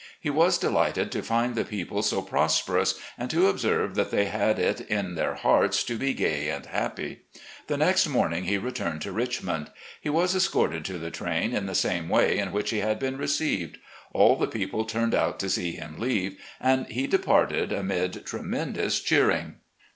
He was delighted to find the people so prosperous, and to observe that they had it in their hearts to be gay and happy. The next morning he returned to Richmond. He was escorted to the train in the same way in which he had been received. All the people turned out to see him leave, and he departed amid tremendous cheering.